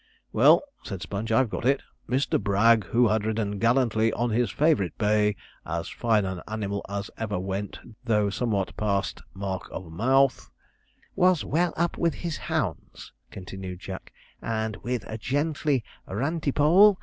'Well,' said Sponge, 'I've got it: "Mr. Bragg, who had ridden gallantly on his favourite bay, as fine an animal as ever went, though somewhat past mark of mouth "' '"Was well up with his hounds,"' continued Jack, '"and with a gently, Rantipole!